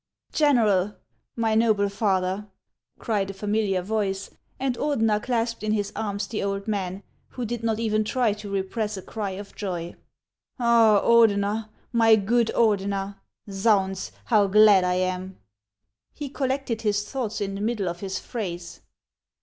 " General ! my noble father !" cried a familiar voice ; and Ordeher clasped in his arms the old man, who did not even try to repress a cry of joy. " Ordener, my good Ordener ! Zounds ! how glad I am !" He collected his thoughts in the middle of his phrase.